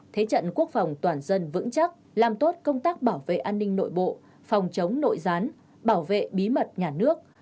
thế trận quốc phòng toàn dân vững chắc làm tốt công tác bảo vệ an ninh nội bộ phòng chống nội gián bảo vệ bí mật nhà nước